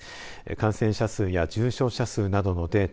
感染者数や重症者数などのデータ